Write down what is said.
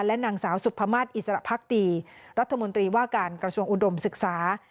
และนางสาวสุภามาศอิสระพักดีรัฐมนตรีว่าการกระทรวงอุดมศึกษา